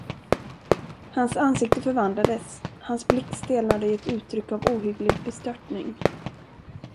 Hans ansikte förvandlades, hans blick stelnade i ett uttryck av ohygglig bestörtning.